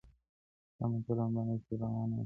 شمع چي لمبه نه سي رڼا نه وي